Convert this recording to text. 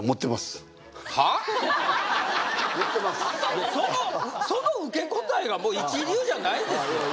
いやその受け答えがもう一流じゃないですよいや